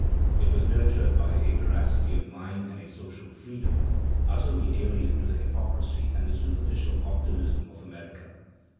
It was nurtured by a veracity of mind and a I « social freedom, utterly alien to the hypocrisy and the super ficial optimism of America.